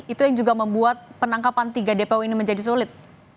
itu yang juga membuat penangkapan tiga dpo ini menjadi sulit